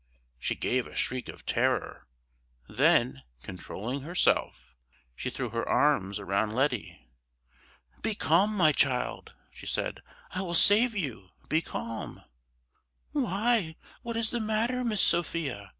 She gave a shriek of terror; then, controlling herself, she threw her arms around Letty. "Be calm, my child!" she said, "I will save you! Be calm!" "Why, what is the matter, Miss Sophia?"